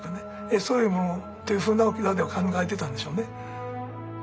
そういうものというふうな沖縄では考えてたんでしょうね。